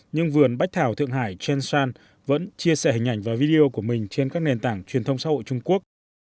nhưng vườn bách thảo thượng hải trainshan vẫn chia sẻ hình ảnh và video của mình trên các nền tảng truyền thông xã hội trung quốc